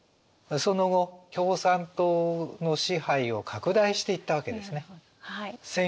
その後共産党の支配を拡大していったわけですね。